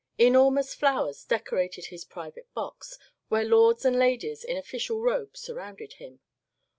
Enormous flowers decorated his private box, where lords and ladies in official robes surrounded him.